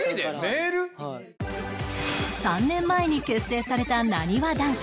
３年前に結成されたなにわ男子